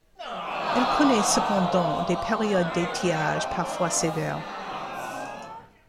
Elle connait cependant des périodes d'étiage parfois sévère.